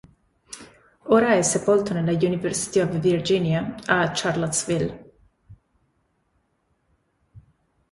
Ora è sepolto nella "University of Virginia" a Charlottesville.